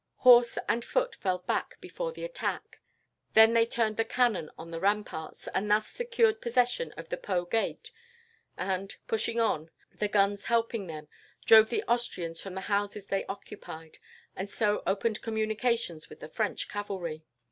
"Horse and foot fell back before the attack. Then they turned the cannon on the ramparts, and thus secured possession of the Po gate, and, pushing on, the guns helping them, drove the Austrians from the houses they occupied, and so opened communications with the French cavalry.